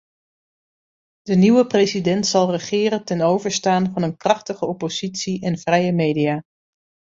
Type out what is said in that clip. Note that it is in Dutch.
De nieuwe president zal regeren ten overstaan van een krachtige oppositie en vrije media.